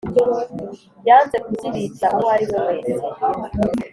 yanze kuzibitsa uwariwe wese